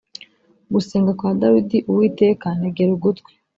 Gusenga kwa Dawidi Uwiteka ntegera ugutwi